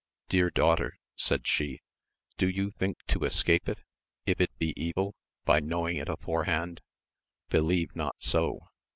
Dear daughter, said she, do you think to escape it, if it be evil, by knowing it afore hand 1 Believe not so